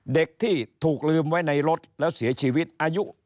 เด็กที่ถูกลืมไว้ในรถแล้วเสียชีวิตอายุ